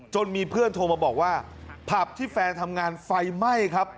มีเพื่อนโทรมาบอกว่าผับที่แฟนทำงานไฟไหม้ครับ